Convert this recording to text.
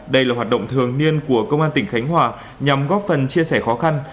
đây là hoạt động thường niên của công an tỉnh khánh hòa nhằm góp phần chia sẻ khó khăn